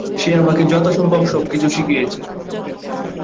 সে আমাকে যথাসম্ভব সবকিছু শিখিয়েছে।